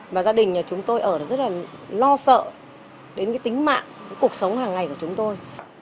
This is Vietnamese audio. và gia đình chúng tôi ở rất là lo sợ đến cái tính mạng cuộc sống hàng ngày của chúng tôi